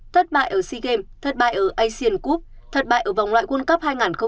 thất bại ở sea games thất bại ở asean cup thất bại ở vòng loại quân cấp hai nghìn hai mươi sáu